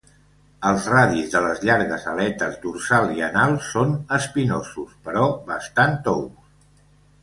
Els radis de les llargues aletes dorsal i anal són espinosos però bastant tous.